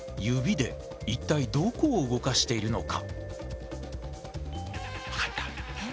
指で一体どこを動かしているのか？